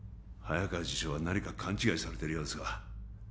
早川次長は何か勘違いされているようですが